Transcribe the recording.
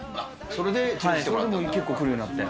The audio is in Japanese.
それで結構来るようになって。